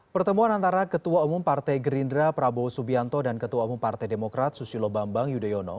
pertemuan antara ketua umum partai gerindra prabowo subianto dan ketua umum partai demokrat susilo bambang yudhoyono